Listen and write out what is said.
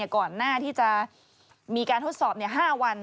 ก่อนหน้าที่จะมีการทดสอบ๕วัน